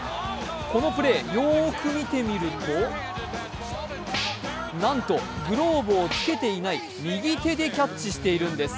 このプレーよーく見てみると、なんとグローブをつけていない右手でキャッチしているんです。